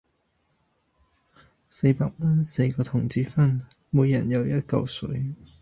四百蚊四個同志分，每人有一舊水